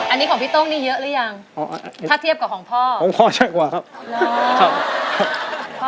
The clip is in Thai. อันนี้ของพี่โต้งนี่เยอะหรือยังถ้าเทียบกับของพ่อของพ่อใช่กว่าครับ